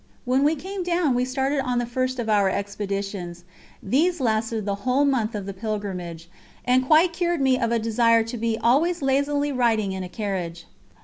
When we came down we started on the first of our expeditions; these lasted the whole month of the pilgrimage, and quite cured me of a desire to be always lazily riding in a carriage.